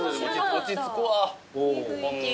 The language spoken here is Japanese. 落ち着くわ。